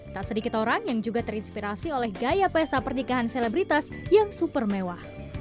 tak sedikit orang yang juga terinspirasi oleh gaya pesta pernikahan selebritas yang super mewah